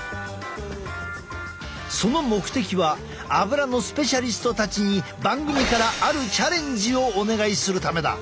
その目的はアブラのスペシャリストたちに番組からあるチャレンジをお願いするためだ。